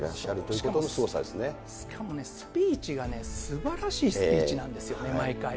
しかもスピーチがね、すばらしいスピーチなんですよ、毎回。